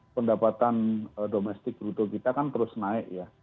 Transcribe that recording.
pendapatan domestik bruto kita kan terus naik ya